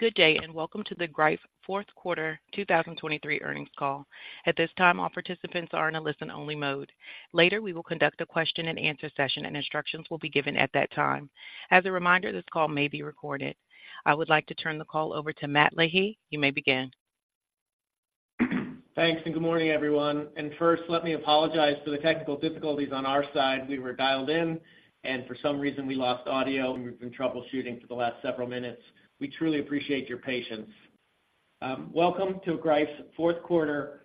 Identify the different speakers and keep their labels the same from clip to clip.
Speaker 1: Good day, and welcome to the Greif Fourth Quarter 2023 earnings call. At this time, all participants are in a listen-only mode. Later, we will conduct a question-and-answer session, and instructions will be given at that time. As a reminder, this call may be recorded. I would like to turn the call over to Matt Leahy. You may begin.
Speaker 2: Thanks, and good morning, everyone. First, let me apologize for the technical difficulties on our side. We were dialed in, and for some reason, we lost audio, and we've been troubleshooting for the last several minutes. We truly appreciate your patience. Welcome to Greif's fourth quarter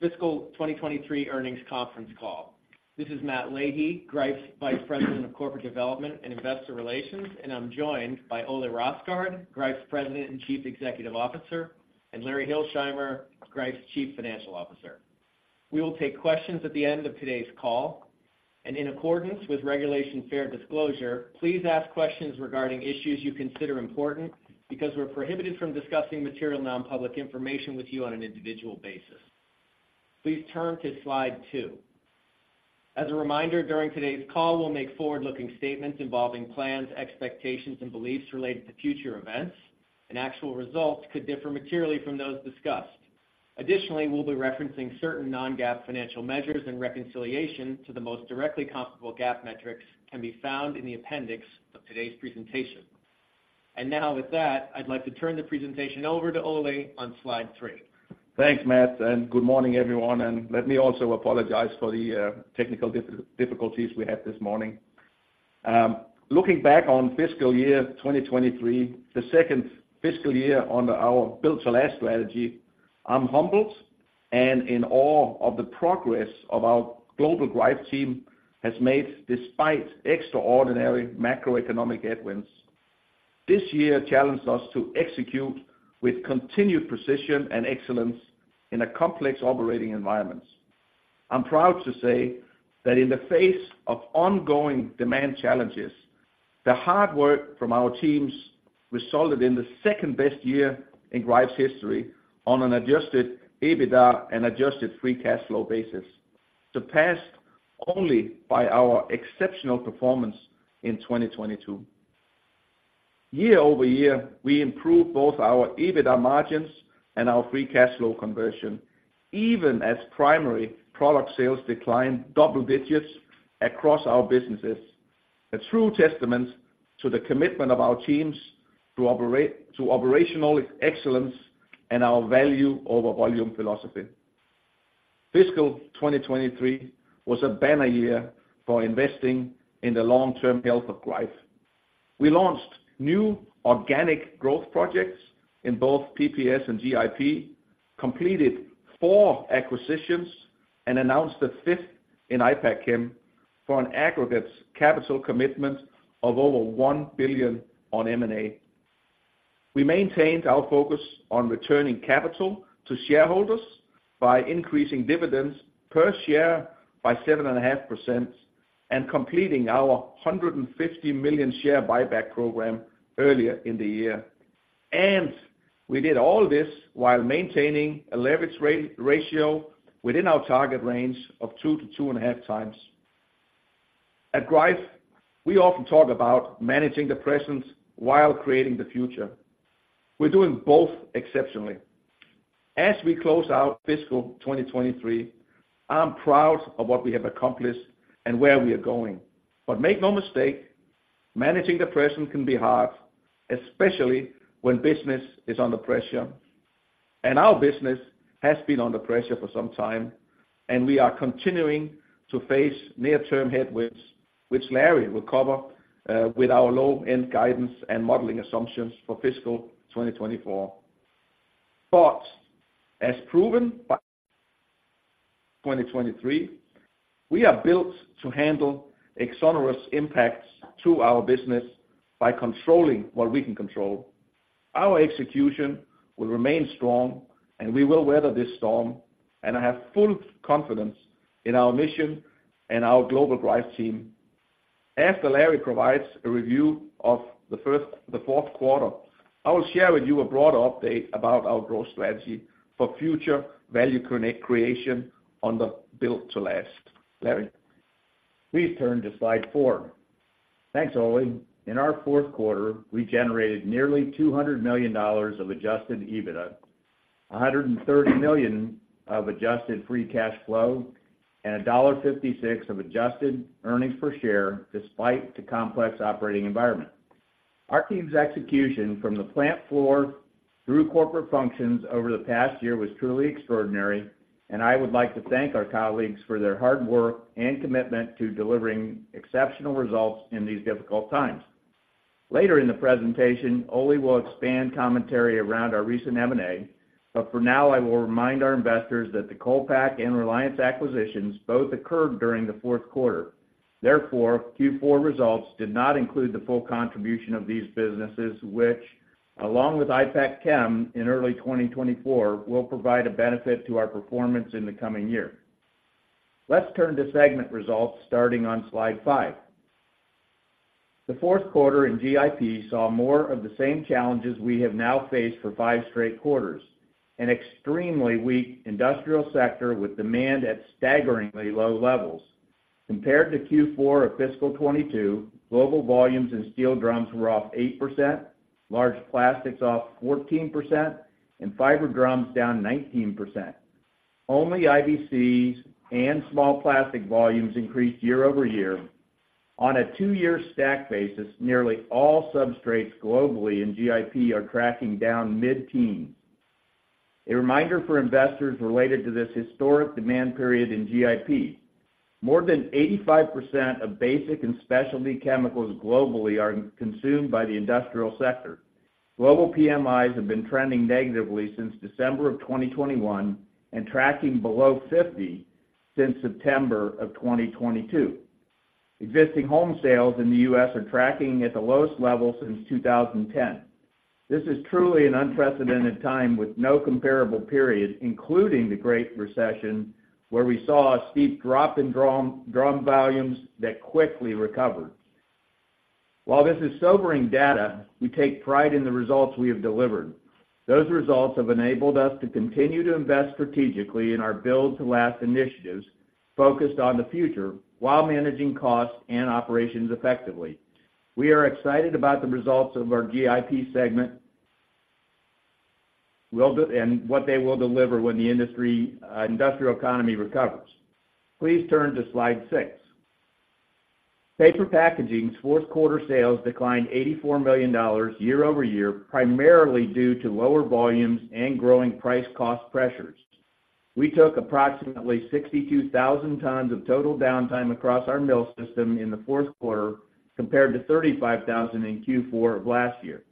Speaker 2: fiscal 2023 earnings conference call. This is Matt Leahy, Greif's Vice President of Corporate Development and Investor Relations, and I'm joined by Ole Rosgaard, Greif's President and Chief Executive Officer, and Larry Hilsheimer, Greif's Chief Financial Officer. We will take questions at the end of today's call, and in accordance with Regulation Fair Disclosure, please ask questions regarding issues you consider important because we're prohibited from discussing material non-public information with you on an individual basis. Please turn to slide two. As a reminder, during today's call, we'll make forward-looking statements involving plans, expectations, and beliefs related to future events, and actual results could differ materially from those discussed. Additionally, we'll be referencing certain non-GAAP financial measures, and reconciliation to the most directly comparable GAAP metrics can be found in the appendix of today's presentation. And now, with that, I'd like to turn the presentation over to Ole on slide three.
Speaker 3: Thanks, Matt, and good morning, everyone. Let me also apologize for the technical difficulties we had this morning. Looking back on fiscal year 2023, the second fiscal year under our Build to Last strategy, I'm humbled and in awe of the progress of our global Greif team has made despite extraordinary macroeconomic headwinds. This year challenged us to execute with continued precision and excellence in a complex operating environment. I'm proud to say that in the face of ongoing demand challenges, the hard work from our teams resulted in the second-best year in Greif's history on an adjusted EBITDA and adjusted free cash flow basis, surpassed only by our exceptional performance in 2022. Year-over-year, we improved both our EBITDA margins and our free cash flow conversion, even as primary product sales declined double digits across our businesses, a true testament to the commitment of our teams to operational excellence and our value over volume philosophy. Fiscal 2023 was a banner year for investing in the long-term health of Greif. We launched new organic growth projects in both PPS and GIP, completed four acquisitions, and announced a fifth in IPACKCHEM, for an aggregate capital commitment of over $1 billion on M&A. We maintained our focus on returning capital to shareholders by increasing dividends per share by 7.5% and completing our $150 million share buyback program earlier in the year. We did all this while maintaining a leverage ratio within our target range of 2x-2.5x. At Greif, we often talk about managing the present while creating the future. We're doing both exceptionally. As we close out fiscal 2023, I'm proud of what we have accomplished and where we are going. But make no mistake, managing the present can be hard, especially when business is under pressure, and our business has been under pressure for some time, and we are continuing to face near-term headwinds, which Larry will cover with our low-end guidance and modeling assumptions for fiscal 2024. But as proven by 2023, we are built to handle exogenous impacts to our business by controlling what we can control. Our execution will remain strong, and we will weather this storm, and I have full confidence in our mission and our global Greif team. After Larry provides a review of the fourth quarter, I will share with you a broad update about our growth strategy for future value creation on the Build to Last. Larry?
Speaker 4: Please turn to slide four. Thanks, Ole. In our fourth quarter, we generated nearly $200 million of adjusted EBITDA, $130 million of adjusted free cash flow, and $1.56 of adjusted earnings per share, despite the complex operating environment. Our team's execution from the plant floor through corporate functions over the past year was truly extraordinary, and I would like to thank our colleagues for their hard work and commitment to delivering exceptional results in these difficult times. Later in the presentation, Ole will expand commentary around our recent M&A, but for now, I will remind our investors that the Copac and Reliance acquisitions both occurred during the fourth quarter. Therefore, Q4 results did not include the full contribution of these businesses, which, along with IPACKCHEM in early 2024, will provide a benefit to our performance in the coming year. Let's turn to segment results, starting on slide five. The fourth quarter in GIP saw more of the same challenges we have now faced for 5 straight quarters, an extremely weak industrial sector with demand at staggeringly low levels... compared to Q4 of fiscal 2022, global volumes in steel drums were off 8%, large plastics off 14%, and fiber drums down 19%. Only IBCs and small plastic volumes increased year-over-year. On a two-year stack basis, nearly all substrates globally in GIP are tracking down mid-teen. A reminder for investors related to this historic demand period in GIP: more than 85% of basic and specialty chemicals globally are consumed by the industrial sector. Global PMIs have been trending negatively since December of 2021 and tracking below 50 since September of 2022. Existing home sales in the U.S. are tracking at the lowest level since 2010. This is truly an unprecedented time with no comparable period, including the Great Recession, where we saw a steep drop in drum volumes that quickly recovered. While this is sobering data, we take pride in the results we have delivered. Those results have enabled us to continue to invest strategically in our Build to Last initiatives, focused on the future, while managing costs and operations effectively. We are excited about the results of our GIP segment and what they will deliver when the industry, industrial economy recovers. Please turn to slide six. Paper packaging's fourth quarter sales declined $84 million year-over-year, primarily due to lower volumes and growing price cost pressures. We took approximately 62,000 tons of total downtime across our mill system in the fourth quarter, compared to 35,000 in Q4 of last year.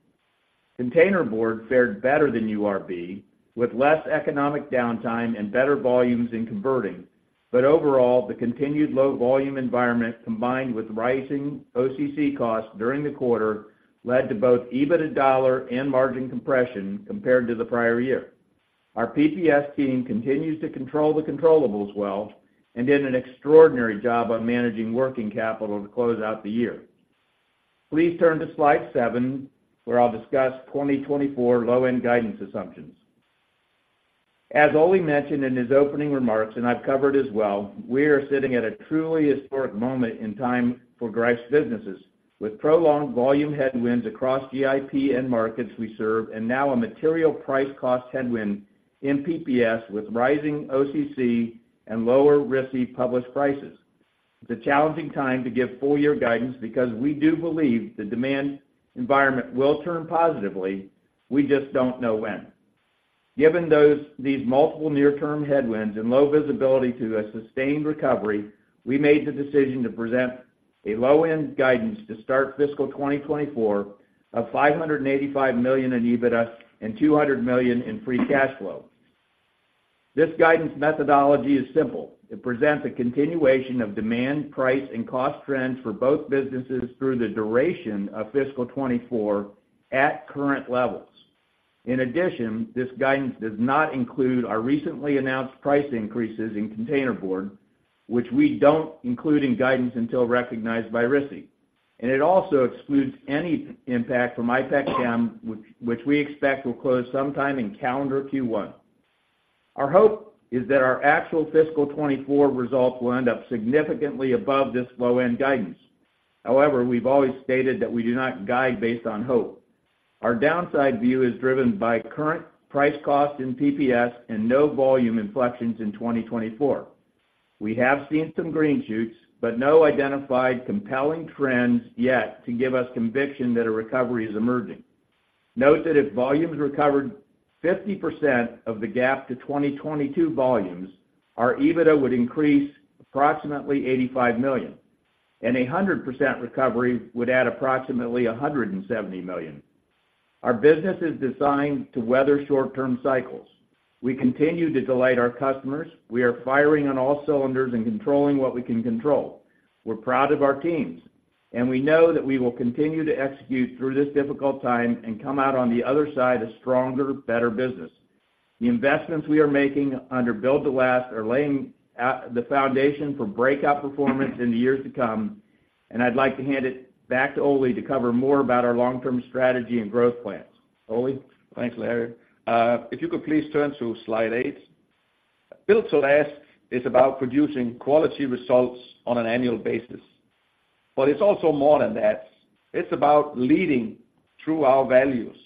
Speaker 4: Containerboard fared better than URB, with less economic downtime and better volumes in converting. But overall, the continued low volume environment, combined with rising OCC costs during the quarter, led to both EBITDA dollar and margin compression compared to the prior year. Our PPS team continues to control the controllables well and did an extraordinary job of managing working capital to close out the year. Please turn to slide seven, where I'll discuss 2024 low-end guidance assumptions. As Ole mentioned in his opening remarks, and I've covered as well, we are sitting at a truly historic moment in time for Greif's businesses, with prolonged volume headwinds across GIP end markets we serve, and now a material price cost headwind in PPS with rising OCC and lower RISI published prices. It's a challenging time to give full year guidance because we do believe the demand environment will turn positively, we just don't know when. Given these multiple near-term headwinds and low visibility to a sustained recovery, we made the decision to present a low-end guidance to start fiscal 2024 of $585 million in EBITDA and $200 million in free cash flow. This guidance methodology is simple. It presents a continuation of demand, price, and cost trends for both businesses through the duration of fiscal 2024 at current levels. In addition, this guidance does not include our recently announced price increases in containerboard, which we don't include in guidance until recognized by RISI. It also excludes any impact from IPACKCHEM, which we expect will close sometime in calendar Q1. Our hope is that our actual fiscal 2024 results will end up significantly above this low-end guidance. However, we've always stated that we do not guide based on hope. Our downside view is driven by current price costs in PPS and no volume inflections in 2024. We have seen some green shoots, but no identified compelling trends yet to give us conviction that a recovery is emerging. Note that if volumes recovered 50% of the gap to 2022 volumes, our EBITDA would increase approximately $85 million, and a 100% recovery would add approximately $170 million. Our business is designed to weather short-term cycles. We continue to delight our customers. We are firing on all cylinders and controlling what we can control. We're proud of our teams, and we know that we will continue to execute through this difficult time and come out on the other side a stronger, better business. The investments we are making under Build to Last are laying the foundation for breakout performance in the years to come, and I'd like to hand it back to Ole to cover more about our long-term strategy and growth plans. Ole?
Speaker 3: Thanks, Larry. If you could please turn to slide eight. Build to Last is about producing quality results on an annual basis, but it's also more than that. It's about leading through our values.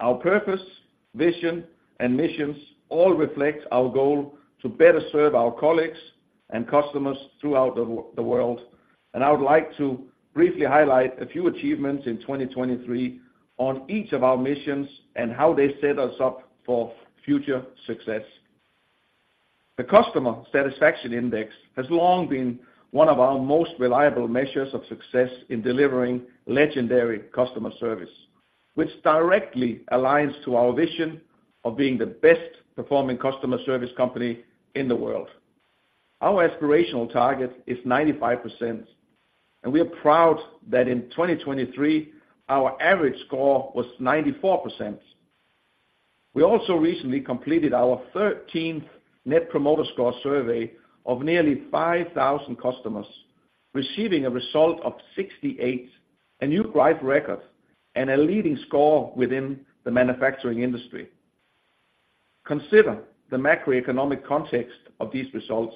Speaker 3: Our purpose, vision, and missions all reflect our goal to better serve our colleagues and customers throughout the world. I would like to briefly highlight a few achievements in 2023 on each of our missions and how they set us up for future success. The Customer Satisfaction Index has long been one of our most reliable measures of success in delivering legendary customer service, which directly aligns to our vision of being the best performing customer service company in the world. Our aspirational target is 95%, and we are proud that in 2023, our average score was 94%. We also recently completed our 13th Net Promoter Score survey of nearly 5,000 customers, receiving a result of 68, a new Greif record and a leading score within the manufacturing industry. Consider the macroeconomic context of these results.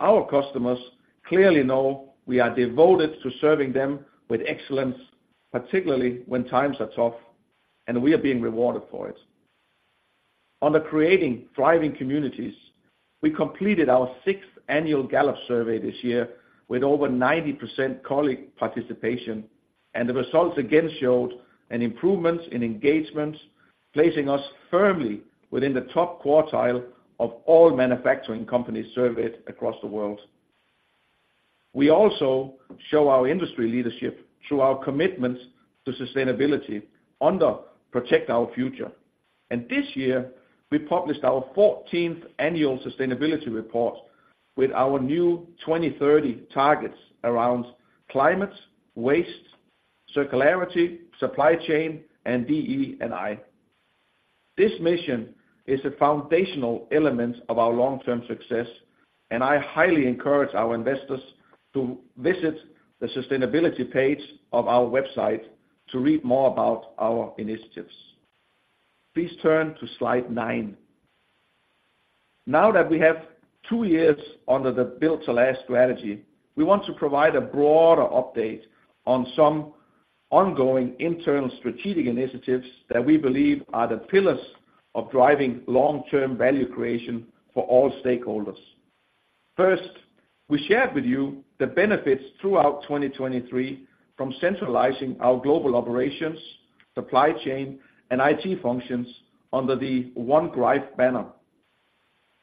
Speaker 3: Our customers clearly know we are devoted to serving them with excellence, particularly when times are tough, and we are being rewarded for it. Under Creating Thriving Communities, we completed our 6th annual Gallup survey this year, with over 90% colleague participation, and the results again showed an improvement in engagement, placing us firmly within the top quartile of all manufacturing companies surveyed across the world. We also show our industry leadership through our commitment to sustainability under Protect Our Future. This year, we published our 14th annual sustainability report with our new 2030 targets around climate, waste, circularity, supply chain, and DE&I. This mission is a foundational element of our long-term success, and I highly encourage our investors to visit the sustainability page of our website to read more about our initiatives. Please turn to slide nine. Now that we have two years under the Build to Last strategy, we want to provide a broader update on some ongoing internal strategic initiatives that we believe are the pillars of driving long-term value creation for all stakeholders. First, we shared with you the benefits throughout 2023 from centralizing our global operations, supply chain, and IT functions under the One Greif banner.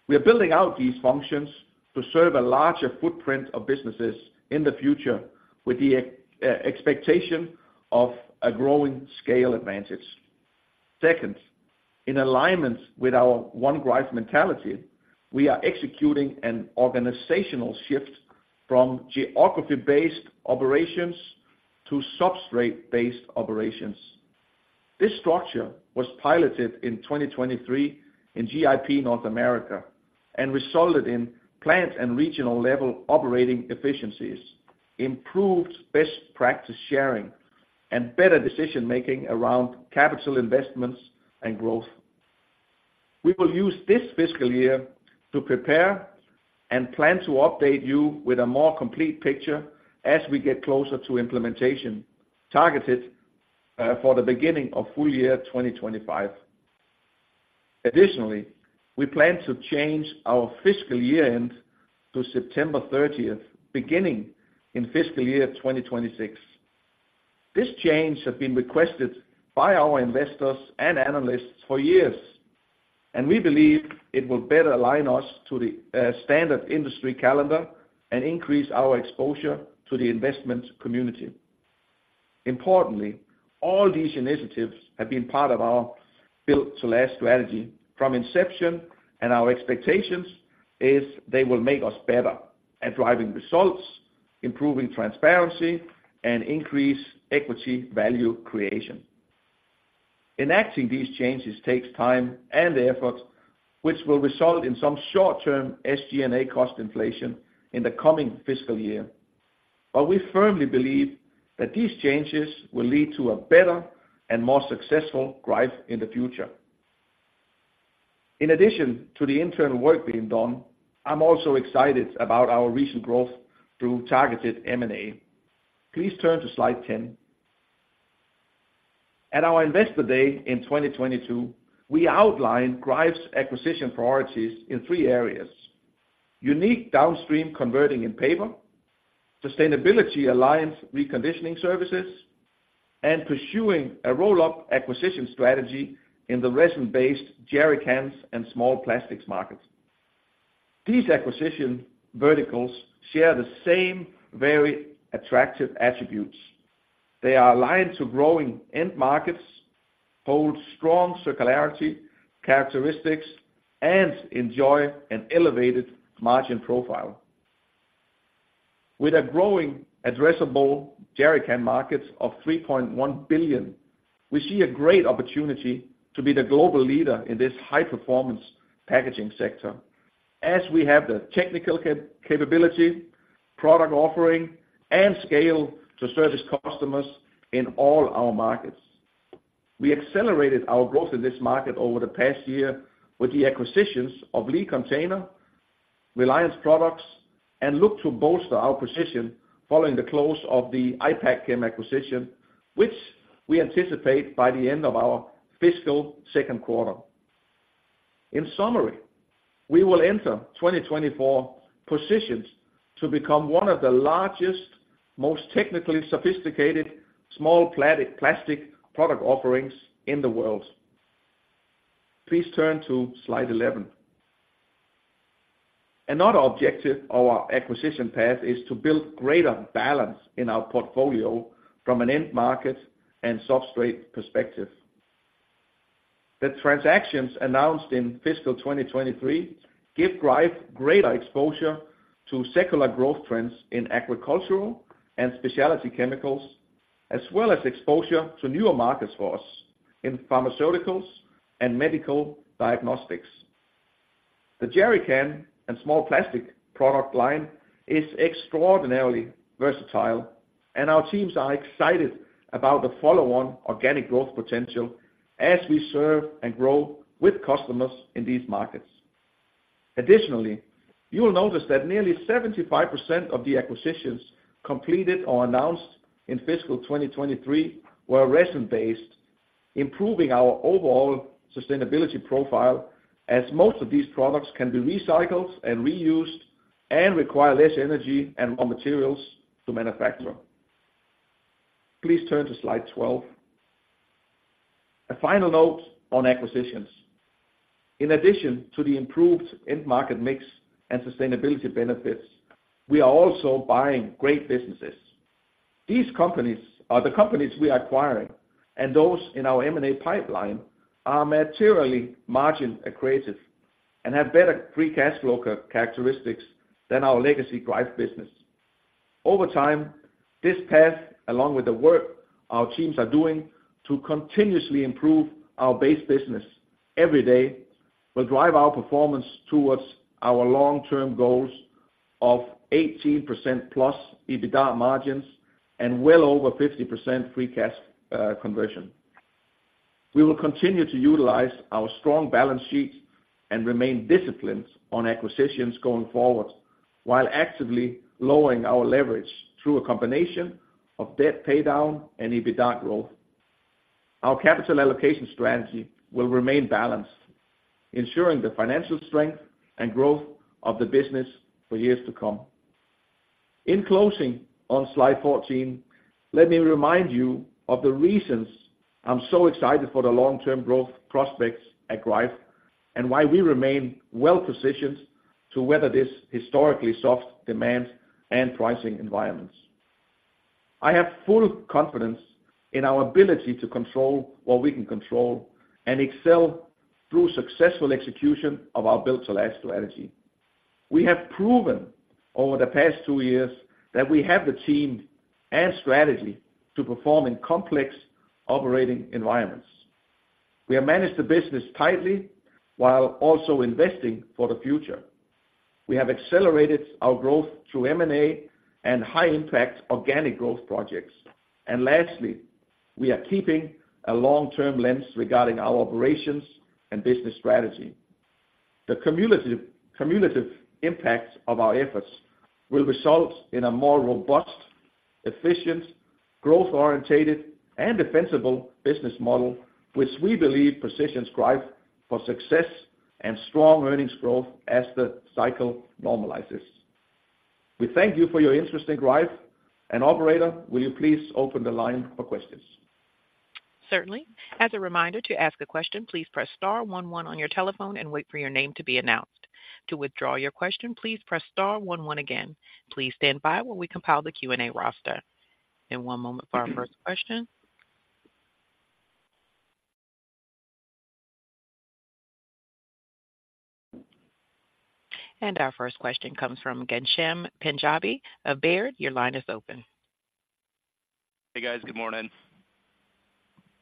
Speaker 3: We are building out these functions to serve a larger footprint of businesses in the future, with the expectation of a growing scale advantage. Second, in alignment with our One Greif mentality, we are executing an organizational shift from geography-based operations to substrate-based operations. This structure was piloted in 2023 in GIP North America, and resulted in plant and regional level operating efficiencies, improved best practice sharing, and better decision-making around capital investments and growth. We will use this fiscal year to prepare and plan to update you with a more complete picture as we get closer to implementation, targeted for the beginning of full year 2025. Additionally, we plan to change our fiscal year-end to September 30th, beginning in fiscal year 2026. This change has been requested by our investors and analysts for years, and we believe it will better align us to the standard industry calendar and increase our exposure to the investment community. Importantly, all these initiatives have been part of our Build to Last strategy from inception, and our expectations is they will make us better at driving results, improving transparency, and increase equity value creation. Enacting these changes takes time and effort, which will result in some short-term SG&A cost inflation in the coming fiscal year. But we firmly believe that these changes will lead to a better and more successful Greif in the future. In addition to the internal work being done, I'm also excited about our recent growth through targeted M&A. Please turn to slide 10. At our Investor Day in 2022, we outlined Greif's acquisition priorities in three areas: unique downstream converting in paper, sustainability-aligned reconditioning services, and pursuing a roll-up acquisition strategy in the resin-based jerrycans and small plastics markets. These acquisition verticals share the same very attractive attributes. They are aligned to growing end markets, hold strong circularity characteristics, and enjoy an elevated margin profile. With a growing addressable jerrycan market of $3.1 billion, we see a great opportunity to be the global leader in this high-performance packaging sector, as we have the technical capability, product offering, and scale to service customers in all our markets. We accelerated our growth in this market over the past year with the acquisitions of Lee Container, Reliance Products, and look to bolster our position following the close of the IPACKCHEM acquisition, which we anticipate by the end of our fiscal second quarter. In summary, we will enter 2024 positioned to become one of the largest, most technically sophisticated small plastic product offerings in the world. Please turn to slide 11. Another objective of our acquisition path is to build greater balance in our portfolio from an end market and substrate perspective. The transactions announced in fiscal 2023 give Greif greater exposure to secular growth trends in agricultural and specialty chemicals, as well as exposure to newer markets for us in pharmaceuticals and medical diagnostics.... The jerrycan and small plastic product line is extraordinarily versatile, and our teams are excited about the follow-on organic growth potential as we serve and grow with customers in these markets. Additionally, you will notice that nearly 75% of the acquisitions completed or announced in fiscal 2023 were resin-based, improving our overall sustainability profile, as most of these products can be recycled and reused and require less energy and more materials to manufacture. Please turn to slide 12. A final note on acquisitions. In addition to the improved end market mix and sustainability benefits, we are also buying great businesses. These companies are the companies we are acquiring, and those in our M&A pipeline are materially margin accretive and have better free cash flow characteristics than our legacy Greif business. Over time, this path, along with the work our teams are doing to continuously improve our base business every day, will drive our performance towards our long-term goals of 18%+ EBITDA margins and well over 50% free cash conversion. We will continue to utilize our strong balance sheet and remain disciplined on acquisitions going forward, while actively lowering our leverage through a combination of debt paydown and EBITDA growth. Our capital allocation strategy will remain balanced, ensuring the financial strength and growth of the business for years to come. In closing, on slide 14, let me remind you of the reasons I'm so excited for the long-term growth prospects at Greif, and why we remain well-positioned to weather this historically soft demand and pricing environments. I have full confidence in our ability to control what we can control and excel through successful execution of our Build to Last strategy. We have proven over the past 2 years that we have the team and strategy to perform in complex operating environments. We have managed the business tightly while also investing for the future. We have accelerated our growth through M&A and high-impact organic growth projects. And lastly, we are keeping a long-term lens regarding our operations and business strategy. The cumulative, cumulative impact of our efforts will result in a more robust, efficient, growth-oriented, and defensible business model, which we believe positions Greif for success and strong earnings growth as the cycle normalizes. We thank you for your interest in Greif, and operator, will you please open the line for questions?
Speaker 1: Certainly. As a reminder, to ask a question, please press star one one on your telephone and wait for your name to be announced. To withdraw your question, please press star one one again. Please stand by while we compile the Q&A roster. One moment for our first question. Our first question comes from Ghansham Panjabi of Baird. Your line is open.
Speaker 5: Hey, guys. Good morning.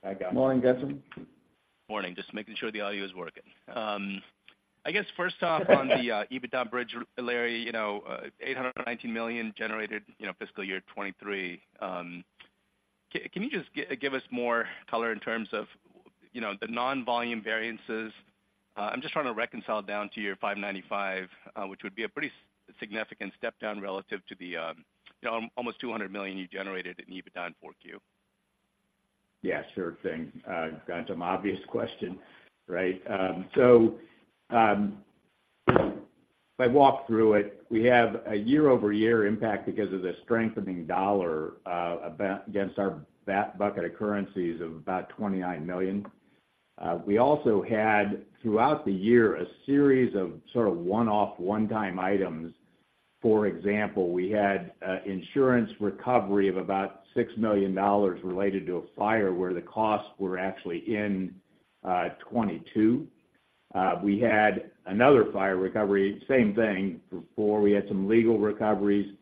Speaker 4: Hi, Ghansham.
Speaker 3: Morning, Ghansham.
Speaker 5: Morning. Just making sure the audio is working. I guess first off, on the, EBITDA bridge, Larry, you know, $819 million generated, you know, fiscal year 2023. Can you just give us more color in terms of, you know, the non-volume variances? I'm just trying to reconcile down to your $595, which would be a pretty significant step down relative to the, you know, almost $200 million you generated in EBITDA in Q4.
Speaker 4: Yeah, sure thing, Ghansham, obvious question, right? So, if I walk through it, we have a year-over-year impact because of the strengthening dollar, about, against our basket of currencies of about $29 million. We also had, throughout the year, a series of sort of one-off, one-time items. For example, we had, insurance recovery of about $6 million related to a fire where the costs were actually in, 2022. We had another fire recovery, same thing. Before we had some legal recoveries,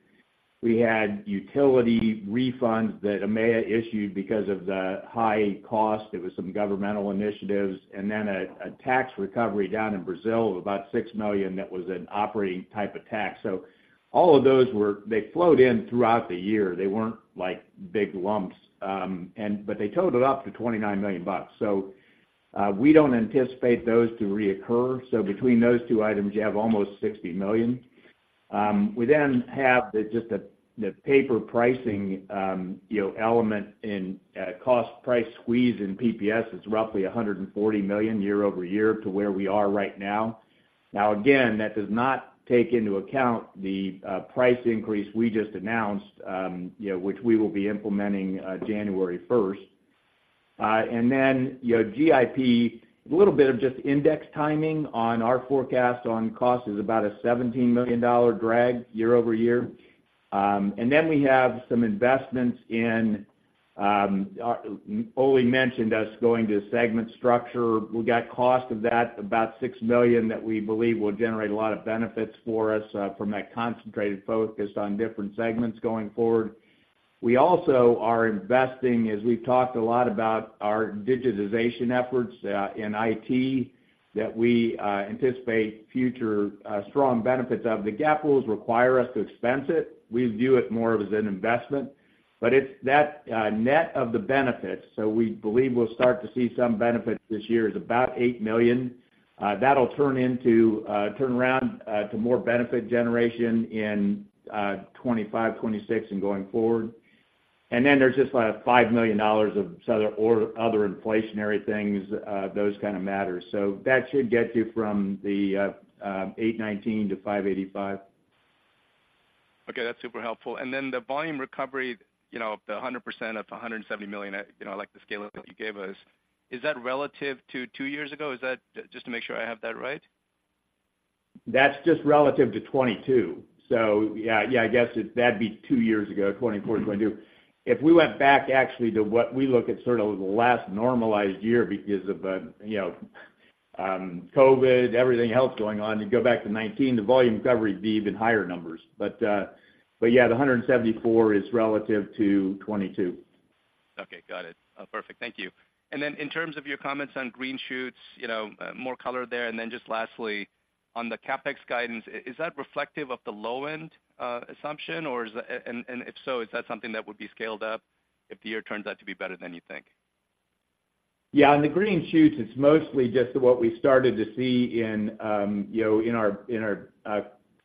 Speaker 4: we had utility refunds that EMEA issued because of the high cost. There was some governmental initiatives, and then a, a tax recovery down in Brazil of about $6 million that was an operating type of tax. So all of those were—they flowed in throughout the year. They weren't like big lumps, and but they totaled up to $29 million. So, we don't anticipate those to reoccur. So between those two items, you have almost $60 million. We then have the, just the, the paper pricing, you know, element in, cost price squeeze in PPS is roughly $140 million year-over-year to where we are right now. Now, again, that does not take into account the, price increase we just announced, you know, which we will be implementing, January 1st. And then, you know, GIP, a little bit of just index timing on our forecast on cost is about a $17 million drag year-over-year. And then we have some investments in, Ole mentioned us going to segment structure. We've got cost of that, about $6 million, that we believe will generate a lot of benefits for us from that concentrated focus on different segments going forward. We also are investing, as we've talked a lot about our digitization efforts in IT, that we anticipate future strong benefits of. The GAAP rules require us to expense it. We view it more of as an investment, but it's that net of the benefits. So we believe we'll start to see some benefits this year, is about $8 million. That'll turn into turnaround to more benefit generation in 2025, 2026, and going forward. And then there's just, like, $5 million of other or other inflationary things, those kind of matters. So that should get you from the 819 to 585.
Speaker 5: Okay, that's super helpful. And then the volume recovery, you know, the 100% of the $170 million, you know, I like the scale of what you gave us. Is that relative to two years ago? Is that, just to make sure I have that right?
Speaker 4: That's just relative to 2022. So yeah, yeah, I guess it- that'd be two years ago, 2020, 2022. If we went back actually to what we look at sort of the last normalized year because of, you know, COVID, everything else going on, you go back to 2019, the volume recovery would be even higher numbers. But, but yeah, the 174 is relative to 2022.
Speaker 5: Okay, got it. Perfect. Thank you. And then in terms of your comments on green shoots, you know, more color there, and then just lastly, on the CapEx guidance, is that reflective of the low end, assumption, or is that... And, and if so, is that something that would be scaled up if the year turns out to be better than you think?
Speaker 4: Yeah, on the green shoots, it's mostly just what we started to see in, you know, in our, in our,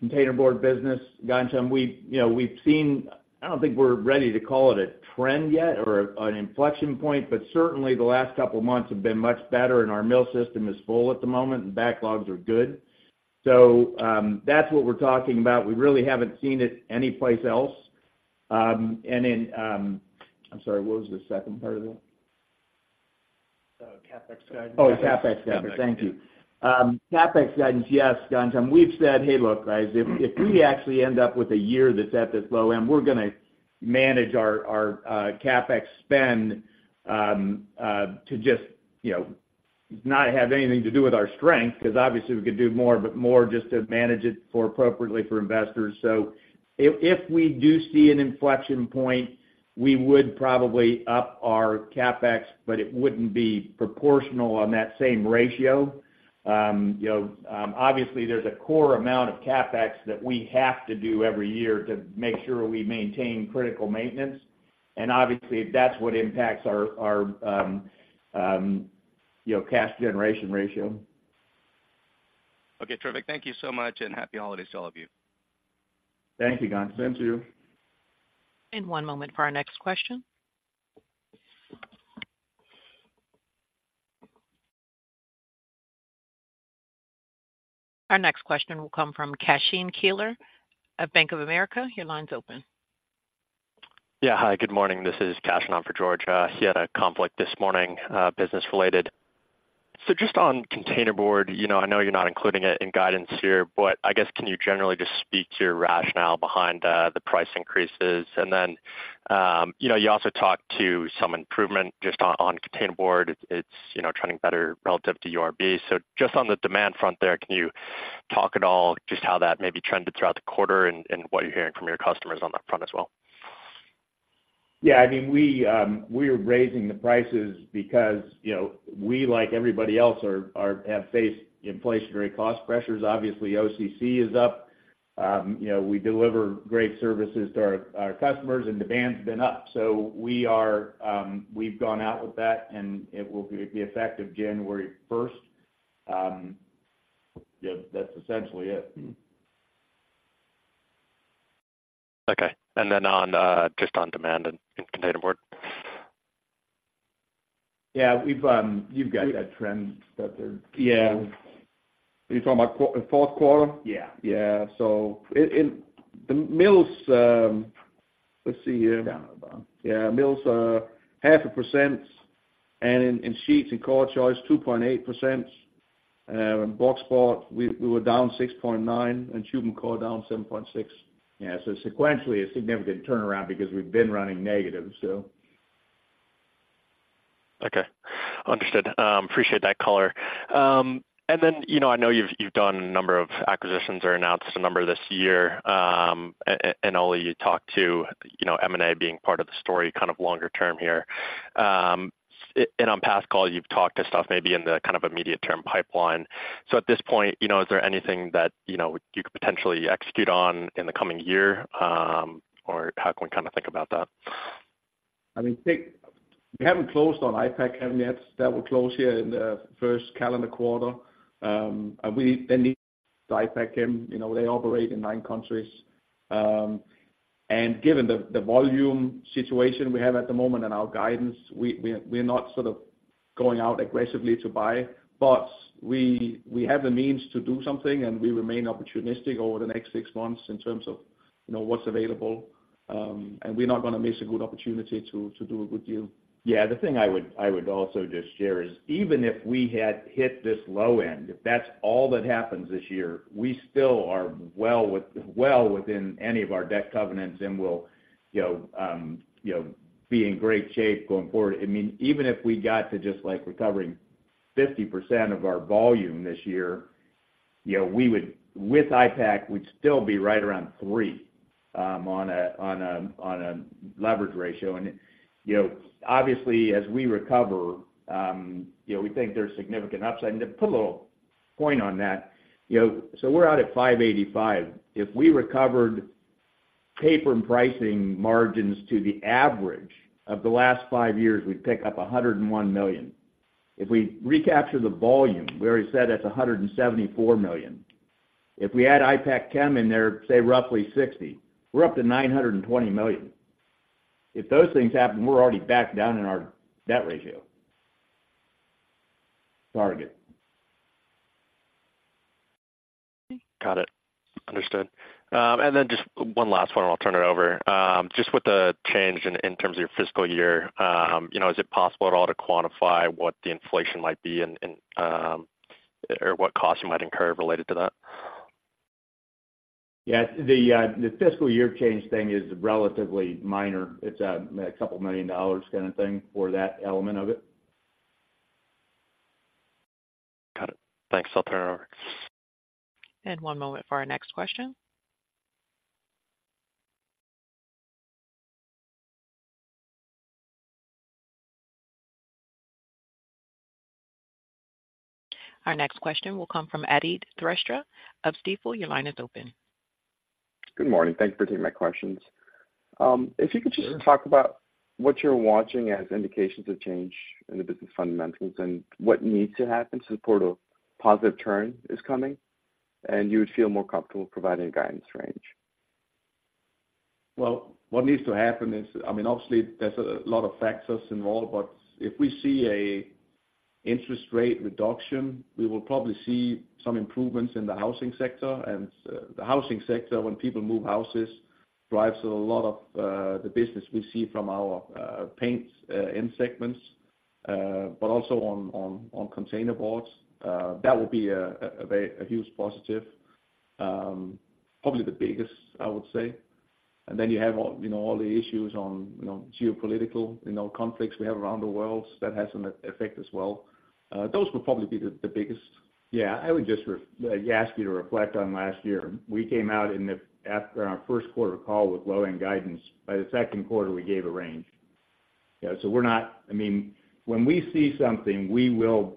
Speaker 4: containerboard business, Ghansham. We've, you know, we've seen... I don't think we're ready to call it a trend yet or an inflection point, but certainly, the last couple of months have been much better, and our mill system is full at the moment, and backlogs are good. So, that's what we're talking about. We really haven't seen it anyplace else. And in... I'm sorry, what was the second part of it?
Speaker 3: CapEx guidance.
Speaker 4: Oh, CapEx guidance.
Speaker 3: CapEx, yeah.
Speaker 4: Thank you. CapEx guidance, yes, Ghansham. We've said, "Hey, look, guys, if, if we actually end up with a year that's at this low end, we're gonna manage our, our, CapEx spend, to just, you know, not have anything to do with our strength," because obviously we could do more, but more just to manage it for appropriately for investors. So if, if we do see an inflection point, we would probably up our CapEx, but it wouldn't be proportional on that same ratio. You know, obviously, there's a core amount of CapEx that we have to do every year to make sure we maintain critical maintenance, and obviously, that's what impacts our, our, you know, cash generation ratio.
Speaker 5: Okay, terrific. Thank you so much, and happy holidays to all of you.
Speaker 4: Thank you, Ghansham.
Speaker 3: Thank you.
Speaker 1: One moment for our next question. Our next question will come from Cashen Keeler of Bank of America. Your line's open.
Speaker 6: Yeah. Hi, good morning. This is Cashen on for George. He had a conflict this morning, business related. So just on containerboard, you know, I know you're not including it in guidance here, but I guess, can you generally just speak to your rationale behind the price increases? And then, you know, you also talked to some improvement just on containerboard. It's, you know, trending better relative to URB. So just on the demand front there, can you talk at all just how that maybe trended throughout the quarter and what you're hearing from your customers on that front as well?
Speaker 4: Yeah, I mean, we, we're raising the prices because, you know, we, like everybody else, have faced inflationary cost pressures. Obviously, OCC is up. You know, we deliver great services to our customers, and demand's been up, so we are, we've gone out with that, and it will be effective January 1st. Yeah, that's essentially it.
Speaker 6: Okay. And then on, just on demand in containerboard.
Speaker 4: Yeah, we've-
Speaker 3: You've got that trend that they're-
Speaker 4: Yeah.
Speaker 3: You're talking about fourth quarter?
Speaker 4: Yeah.
Speaker 3: Yeah. So in the mills, let's see here.
Speaker 4: Down at the bottom.
Speaker 3: Yeah, mills are 0.5%, and in sheets and CorrChoice, 2.8%. In boxboard, we were down 6.9%, and tube and core down 7.6%.
Speaker 4: Yeah, so sequentially, a significant turnaround because we've been running negative, so.
Speaker 6: Okay. Understood. Appreciate that color. And then, you know, I know you've done a number of acquisitions or announced a number this year. And Ole, you talked to, you know, M&A being part of the story, kind of longer term here. And on past calls, you've talked to stuff maybe in the kind of immediate-term pipeline. So at this point, you know, is there anything that, you know, you could potentially execute on in the coming year? Or how can we kind of think about that?
Speaker 3: I mean, take... We haven't closed on IPACKCHEM yet. That will close here in the first calendar quarter. And we, they need the IPACKCHEM. You know, they operate in nine countries. And given the volume situation we have at the moment and our guidance, we're not sort of going out aggressively to buy, but we have the means to do something, and we remain opportunistic over the next six months in terms of, you know, what's available. And we're not gonna miss a good opportunity to do a good deal.
Speaker 4: Yeah, the thing I would also just share is, even if we had hit this low end, if that's all that happens this year, we still are well within any of our debt covenants, and we'll, you know, be in great shape going forward. I mean, even if we got to just, like, recovering 50% of our volume this year, you know, we would, with IPACKCHEM, we'd still be right around 3 on a leverage ratio. And, you know, obviously, as we recover, you know, we think there's significant upside. And to put a little point on that, you know, so we're out at 5.85. If we recovered paper and pricing margins to the average of the last 5 years, we'd pick up $101 million. If we recapture the volume, we already said that's $174 million. If we add IPACKCHEM in there, say roughly $60 million, we're up to $920 million. If those things happen, we're already back down in our debt ratio target.
Speaker 6: Got it. Understood. And then just one last one, and I'll turn it over. Just with the change in terms of your fiscal year, you know, is it possible at all to quantify what the inflation might be and, or what costs you might incur related to that?
Speaker 4: Yeah, the fiscal year change thing is relatively minor. It's a couple million dollars kind of thing for that element of it.
Speaker 6: Got it. Thanks. I'll turn it over.
Speaker 1: One moment for our next question. Our next question will come from Aadit Shrestha of Stifel. Your line is open.
Speaker 7: Good morning. Thank you for taking my questions. If you could just talk about what you're watching as indications of change in the business fundamentals, and what needs to happen to support a positive turn is coming, and you would feel more comfortable providing a guidance range?
Speaker 3: Well, what needs to happen is, I mean, obviously, there's a lot of factors involved, but if we see an interest rate reduction, we will probably see some improvements in the housing sector. The housing sector, when people move houses, drives a lot of the business we see from our paints end segments, but also on containerboard. That would be a huge positive, probably the biggest, I would say. Then you have all, you know, all the issues on, you know, geopolitical, you know, conflicts we have around the world, so that has an effect as well. Those would probably be the biggest.
Speaker 4: Yeah, I would just ask you to reflect on last year. We came out after our first quarter call with low-end guidance. By the second quarter, we gave a range. Yeah, so we're not—I mean, when we see something, we will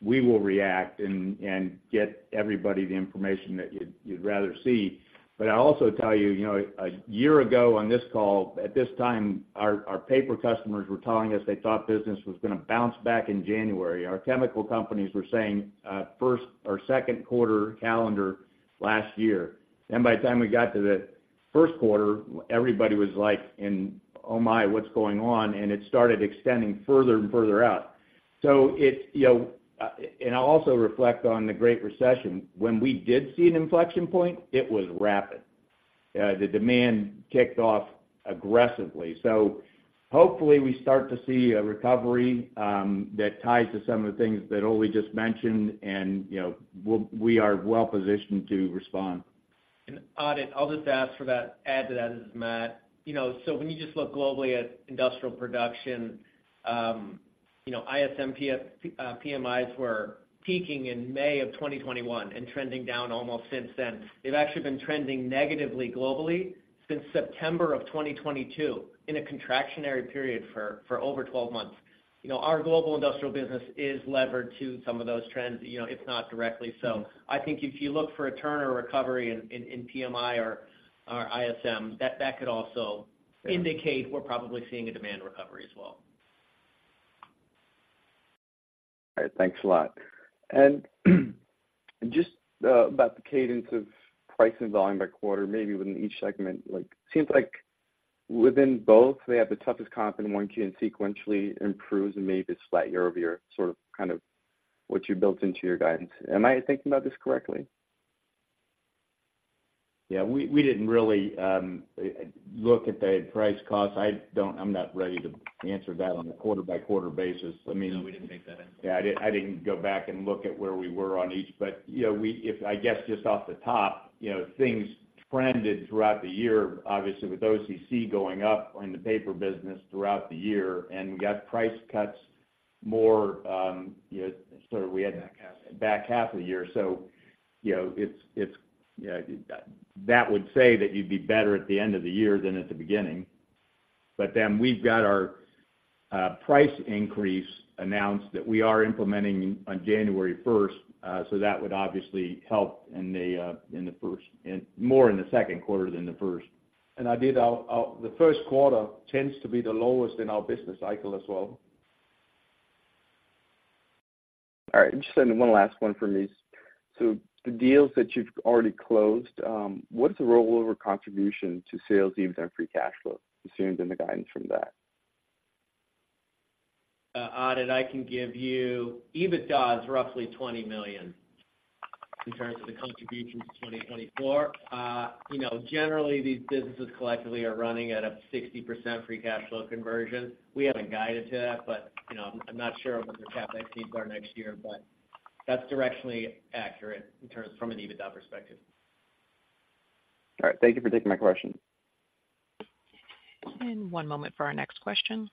Speaker 4: react and get everybody the information that you'd rather see. But I'll also tell you, you know, a year ago on this call, at this time, our paper customers were telling us they thought business was gonna bounce back in January. Our chemical companies were saying first or second quarter calendar last year. And by the time we got to the first quarter, everybody was like, "Oh, my, what's going on?" And it started extending further and further out. So it's, you know... And I'll also reflect on the Great Recession. When we did see an inflection point, it was rapid. The demand kicked off aggressively. So hopefully, we start to see a recovery that ties to some of the things that Ole just mentioned, and, you know, we are well positioned to respond.
Speaker 2: Aadit, I'll just ask for that, add to that, this is Matt. You know, so when you just look globally at industrial production, you know, ISM PMIs were peaking in May 2021 and trending down almost since then. They've actually been trending negatively globally since September 2022, in a contractionary period for over 12 months. You know, our global industrial business is levered to some of those trends, you know, if not directly so. I think if you look for a turn or recovery in PMI or ISM, that could also indicate we're probably seeing a demand recovery as well.
Speaker 7: All right, thanks a lot. And just, about the cadence of price and volume by quarter, maybe within each segment, like, seems like within both, they have the toughest comp in 1Q and sequentially improves and maybe slight year-over-year, sort of, kind of what you built into your guidance. Am I thinking about this correctly?
Speaker 4: Yeah, we didn't really look at the price cost. I don't, I'm not ready to answer that on a quarter-by-quarter basis. I mean-
Speaker 2: No, we didn't take that in.
Speaker 4: Yeah, I didn't, I didn't go back and look at where we were on each. But, you know, we, if I guess just off the top, you know, things trended throughout the year, obviously, with OCC going up in the paper business throughout the year, and we got price cuts more, you know, sort of we had-
Speaker 2: Back half.
Speaker 4: Back half of the year. So, you know, it's that would say that you'd be better at the end of the year than at the beginning. But then we've got our price increase announced that we are implementing on January 1st, so that would obviously help in the first, and more in the second quarter than the first.
Speaker 3: Aadit, our first quarter tends to be the lowest in our business cycle as well.
Speaker 7: All right, just then one last one from me. So the deals that you've already closed, what is the rollover contribution to sales, EBITDA, and free cash flow, assumed in the guidance from that?
Speaker 2: Aadit, I can give you, EBITDA is roughly $20 million in terms of the contribution to 2024. You know, generally, these businesses collectively are running at a 60% free cash flow conversion. We haven't guided to that, but, you know, I'm not sure what the CapEx needs are next year, but that's directionally accurate in terms from an EBITDA perspective.
Speaker 7: All right. Thank you for taking my question.
Speaker 1: One moment for our next question.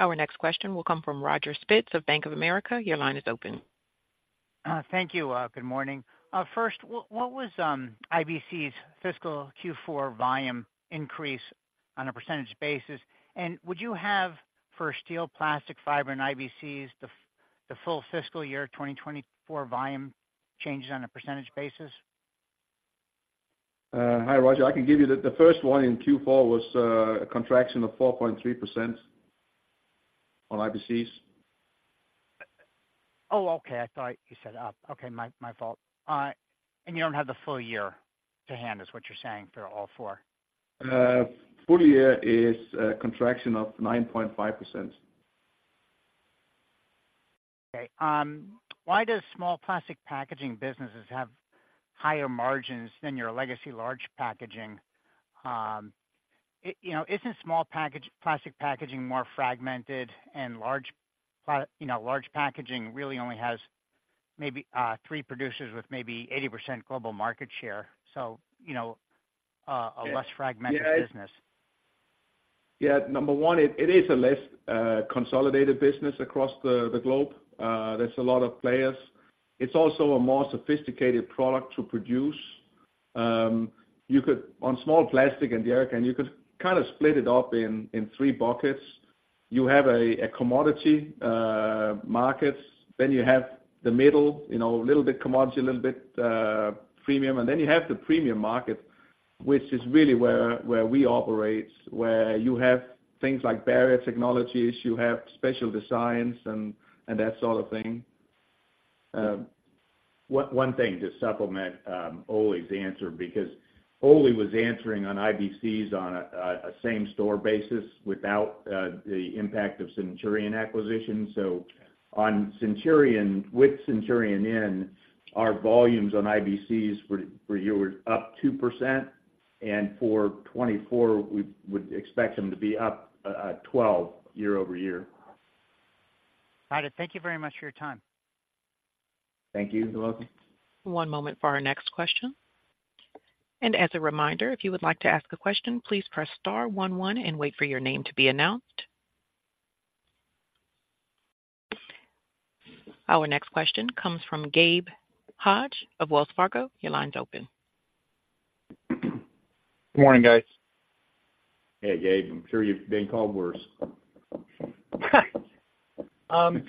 Speaker 1: Our next question will come from Roger Spitz of Bank of America. Your line is open.
Speaker 8: Thank you. Good morning. First, what was IBC's fiscal Q4 volume increase on a % basis? And would you have for steel, plastic, fiber, and IBCs, the full fiscal year 2024 volume changes on a % basis?
Speaker 3: Hi, Roger. I can give you the first one in Q4 was a contraction of 4.3% on IBCs.
Speaker 8: Oh, okay. I thought you said up. Okay, my fault. And you don't have the full year to hand us, what you're saying, for all four?
Speaker 3: Full year is a contraction of 9.5%.
Speaker 8: Okay. Why does small plastic packaging businesses have higher margins than your legacy large packaging? You know, isn't small plastic packaging more fragmented and large packaging really only has maybe three producers with maybe 80% global market share, so, you know, a less fragmented business.
Speaker 3: Yeah, number one, it is a less consolidated business across the globe. There's a lot of players. It's also a more sophisticated product to produce. You could, on small plastic and jerrycans, kind of split it up in three buckets. You have a commodity markets, then you have the middle, you know, a little bit commodity, a little bit premium, and then you have the premium market, which is really where we operate, where you have things like barrier technologies, you have special designs and that sort of thing.
Speaker 4: One thing to supplement Ole's answer, because Ole was answering on IBCs on a same-store basis without the impact of Centurion acquisition. So on Centurion, with Centurion in, our volumes on IBCs for Q2 were up 2%, and for 2024, we would expect them to be up 12% year-over-year.
Speaker 8: Got it. Thank you very much for your time.
Speaker 4: Thank you.
Speaker 3: You're welcome.
Speaker 1: One moment for our next question. And as a reminder, if you would like to ask a question, please press star one one and wait for your name to be announced. Our next question comes from Gabe Hajde of Wells Fargo. Your line's open.
Speaker 9: Good morning, guys.
Speaker 4: Hey, Gabe. I'm sure you've been called worse.
Speaker 9: I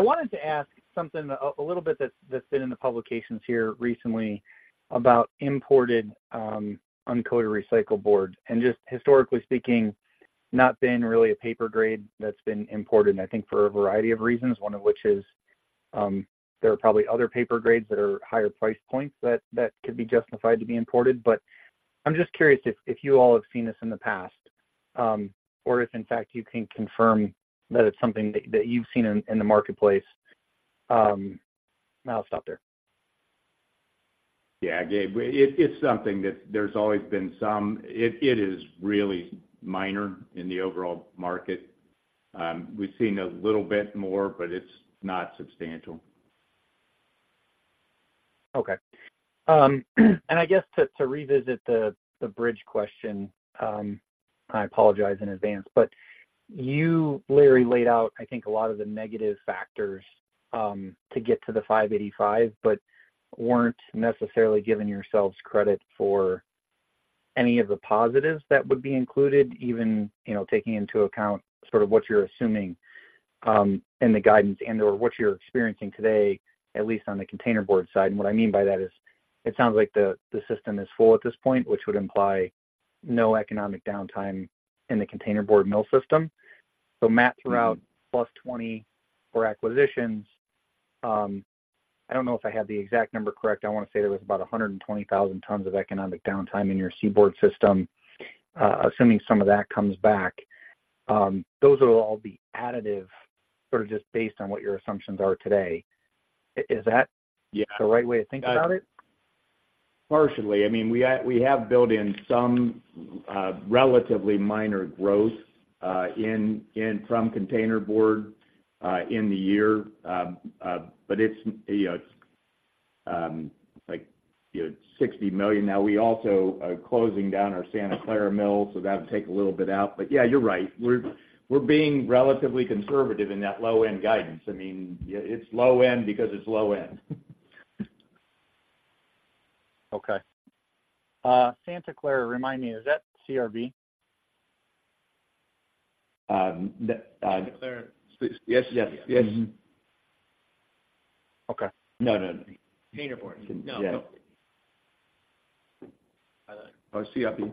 Speaker 9: wanted to ask something a little bit that's been in the publications here recently about imported uncoated recycled board, and just historically speaking, not been really a paper grade that's been imported, I think, for a variety of reasons, one of which is there are probably other paper grades that are higher price points that could be justified to be imported. But I'm just curious if you all have seen this in the past, or if in fact, you can confirm that it's something that you've seen in the marketplace. And I'll stop there.
Speaker 4: Yeah, Gabe, it's something that there's always been some... It is really minor in the overall market. We've seen a little bit more, but it's not substantial.
Speaker 9: Okay. And I guess to revisit the bridge question, I apologize in advance, but you, Larry, laid out, I think, a lot of the negative factors to get to the $585, but weren't necessarily giving yourselves credit for any of the positives that would be included, even, you know, taking into account sort of what you're assuming in the guidance and/or what you're experiencing today, at least on the containerboard side. And what I mean by that is, it sounds like the system is full at this point, which would imply no economic downtime in the containerboard mill system. So Matt, throughout 24+ acquisitions, I don't know if I have the exact number correct. I want to say there was about 120,000 tons of economic downtime in your paperboard system. Assuming some of that comes back, those will all be additive, sort of, just based on what your assumptions are today. Is that-
Speaker 4: Yeah.
Speaker 9: the right way to think about it?
Speaker 4: Partially. I mean, we have, we have built in some, relatively minor growth, in, in from containerboard, in the year. But it's, you know, it's, like, you know, $60 million. Now, we also are closing down our Santa Clara mill, so that'll take a little bit out. But yeah, you're right. We're, we're being relatively conservative in that low-end guidance. I mean, it's low end because it's low end.
Speaker 9: Okay. Santa Clara, remind me, is that CRB?
Speaker 4: Um, the, uh-
Speaker 3: Yes, yes. Yes.
Speaker 9: Okay.
Speaker 4: No, no.
Speaker 8: Containerboard.
Speaker 4: Yeah.
Speaker 8: No.
Speaker 3: Oh, CRB.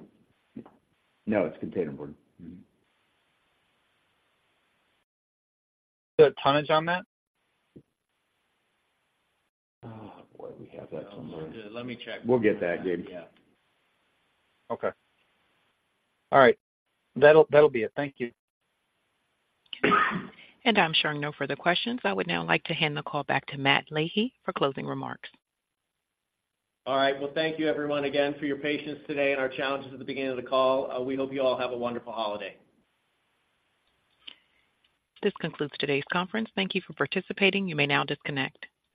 Speaker 4: No, it's containerboard. Mm-hmm.
Speaker 9: The tonnage on that?
Speaker 4: Oh, boy, we have that somewhere.
Speaker 8: Let me check.
Speaker 4: We'll get that, Gabe.
Speaker 8: Yeah.
Speaker 9: Okay. All right. That'll, that'll be it. Thank you.
Speaker 1: I'm showing no further questions. I would now like to hand the call back to Matt Leahy for closing remarks.
Speaker 3: All right. Well, thank you everyone again for your patience today and our challenges at the beginning of the call. We hope you all have a wonderful holiday.
Speaker 1: This concludes today's conference. Thank you for participating. You may now disconnect.